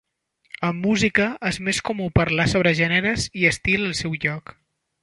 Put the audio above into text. En música és més comú parlar sobre gèneres i estil al seu lloc.